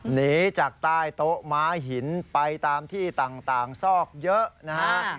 หนีจากใต้โต๊ะม้าหินไปตามที่ต่างซอกเยอะนะฮะ